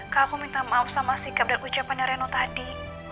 kak aku minta maaf sama sikap dan ucapannya reno tadi